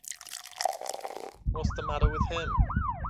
What's the matter with him.